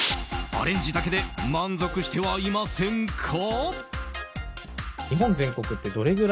アレンジだけで満足してはいませんか？